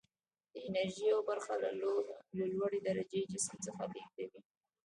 د انرژي یوه برخه له لوړې درجې جسم څخه لیږدوي.